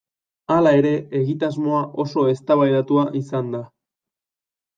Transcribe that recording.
Hala ere egitasmoa oso eztabaidatua izan da.